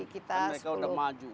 kan mereka sudah maju